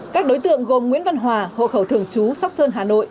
các đối tượng gồm nguyễn văn hòa hộ khẩu thường chú sóc sơn hà nội